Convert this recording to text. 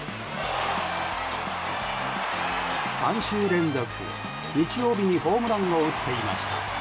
３週連続、日曜日にホームランを打っていました。